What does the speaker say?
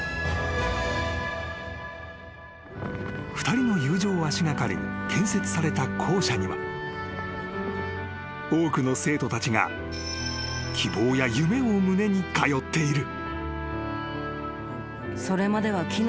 ［２人の友情を足掛かりに建設された校舎には多くの生徒たちが希望や夢を胸に通っている］